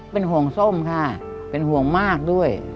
เป็นห่วงส้มค่ะเป็นห่วงมากด้วย